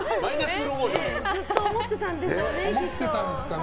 ずっと思ってたんでしょうね。